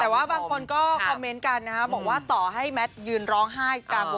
แต่ว่าบางคนก็คอมเม้นต์กันบอกว่าก็ต่อให้แมทยืนร้องไห้